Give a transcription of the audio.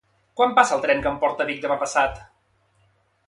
Quan passa el tren que em porta a Vic demà passat?